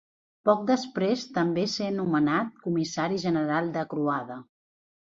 Poc després també ser nomenat Comissari General de Croada.